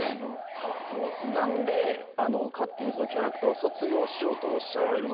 何で勝手にキャラクターを卒業しようとおっしゃられるのか。